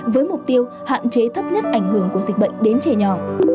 với mục tiêu hạn chế thấp nhất ảnh hưởng của dịch bệnh đến trẻ nhỏ